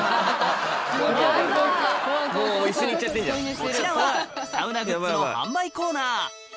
こちらはサウナグッズの販売コーナー